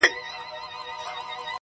د خپل وجود پرهرولو کي اتل زه یم~